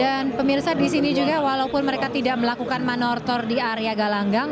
dan pemirsa di sini juga walaupun mereka tidak melakukan manortor di area galanggang